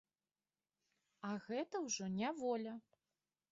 А гэта ўжо няволя.